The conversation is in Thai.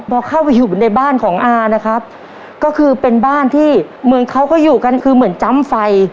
พอเข้าไปอยู่ในบ้านของอานะครับก็คือเป็นบ้านที่เหมือนเขาก็อยู่กันคือเหมือนจำไฟ